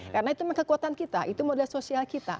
karena itu kekuatan kita itu modal sosial kita